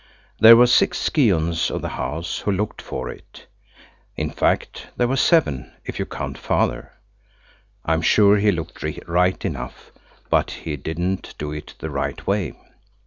There were six scions of the house who looked for it–in fact there were seven, if you count Father. I am sure he looked right enough, but he did not do it the right way.